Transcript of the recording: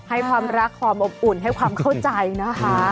ให้ความรักความอบอุ่นให้ความเข้าใจนะคะ